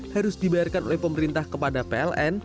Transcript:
harus dibayarkan oleh pemerintah kepada pln